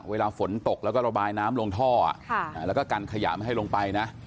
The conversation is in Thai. เวลาฝนตกแล้วก็ระบายน้ำลงท่อแล้วก็กันขยะไม่ให้ลงไปนะ